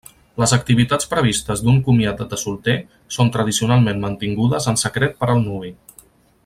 Les activitats previstes d'un comiat de solter són tradicionalment mantingudes en secret per al nuvi.